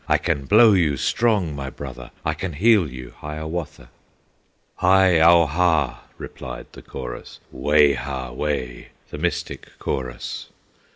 I can blow you strong, my brother, I can heal you, Hiawatha!" "Hi au ha!" replied the chorus, "Wayha way!" the mystic chorus.